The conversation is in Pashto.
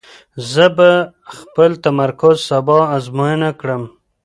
زه به خپل تمرکز سبا ازموینه کړم.